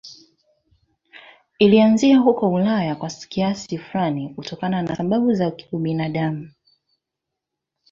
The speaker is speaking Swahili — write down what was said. Ilianzia huko Ulaya kwa kiasi fulani kutokana na sababu za ubinadamu